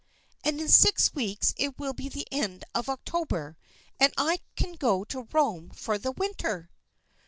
"And in six weeks it will be the end of October, and I can go to Rome for the winter!"